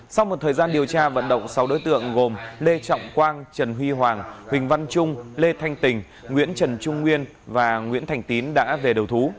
sau một thời gian điều tra vận động sáu đối tượng gồm lê trọng quang trần huy hoàng huỳnh văn trung lê thanh tình nguyễn trần trung nguyên và nguyễn thành tín đã về đầu thú